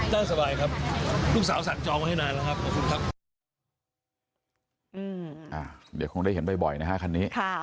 นั่งสบายครับลูกสาวสั่งจองไว้ให้นานละครับขอบคุณครับ